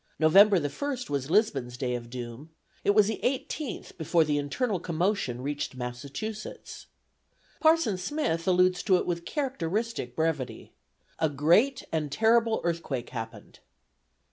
November the first was Lisbon's day of doom; it was the eighteenth before the internal commotion reached Massachusetts. Parson Smith alludes to it with characteristic brevity: "A great and terrible earthquake happened."